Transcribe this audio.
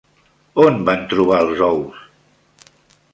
On van trobar els ous?